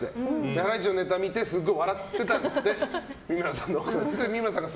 ハライチのネタを見てすごい笑ってたんですって三村さんの奥さんが。